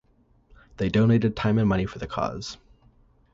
They donate time and money for the cause.